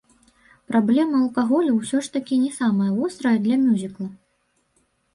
Праблема алкаголю ўсё ж такі не самая вострая для мюзікла.